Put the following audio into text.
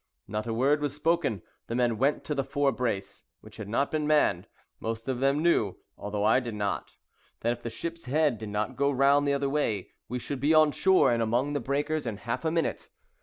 Not a word was spoken; the men went to the fore brace, which had not been manned; most of them knew, although I did not, that if the ship's head did not go round the other way, we should be on shore, and among the breakers, in half a minute.